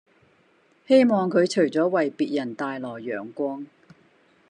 希望他除了為別人帶來陽光